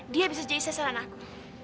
dia bisa jadi sesar anakku